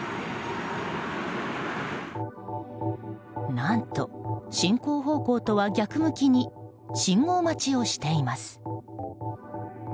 何と、進行方向とは逆向きに信号待ちをしています。